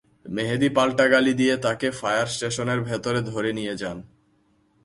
মেহেদি পাল্টা গালি দিয়ে তাঁকে ফায়ার স্টেশনের ভেতরে ধরে নিয়ে যান।